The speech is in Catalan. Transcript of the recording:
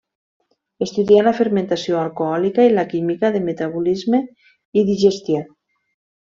Estudià la fermentació alcohòlica i la química de metabolisme i digestió.